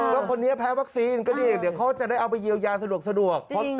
ว่าคนนี้แพ้วัคซีนก็เรียกเดี๋ยวเขาจะได้เอาไปเยียวยาสะดวก